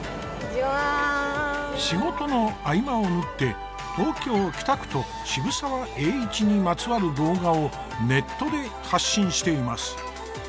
仕事の合間を縫って東京・北区と渋沢栄一にまつわる動画をネットで発信しています。